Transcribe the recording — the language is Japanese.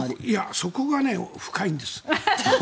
そこが深いんです。